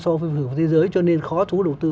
so với khu vực và thế giới cho nên khó thú đầu tư